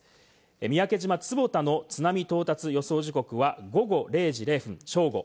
三宅島坪田の津波到達予想時刻は午後０時０分・正午。